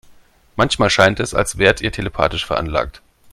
Manchmal scheint es, als wärt ihr telepathisch veranlagt.